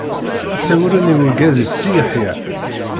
Ssawlen i urgaz-is Si Yeḥya.